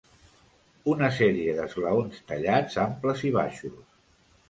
Una sèrie d'esglaons tallats, amples i baixos.